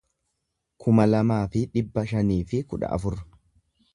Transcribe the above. kuma lamaa fi dhibba shanii fi kudha afur